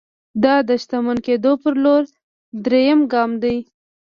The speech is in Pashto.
دا د شتمن کېدو پر لور درېيم ګام دی.